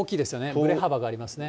ぶれ幅がありますよね。